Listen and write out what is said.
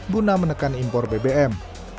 guna menekan impor bbm